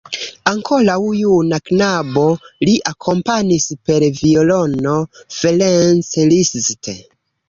Ankoraŭ juna knabo, li akompanis per violono Ferenc Liszt.